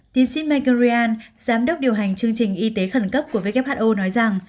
tiến sĩ megan rian giám đốc điều hành chương trình y tế khẩn cấp của who nói rằng